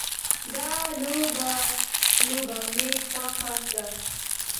دا لوبه مې خوښه ده